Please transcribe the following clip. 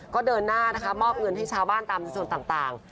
ก็เดินหน้านะคะมอบเงินให้ชาวบ้านตามในส่วนต่าง